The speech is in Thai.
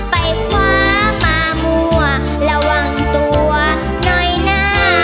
ไปคว้ามามั่วระวังตัวหน่อยนะ